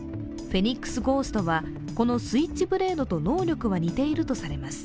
フェニックスゴーストはこのスイッチブレードと能力は似ているとされます。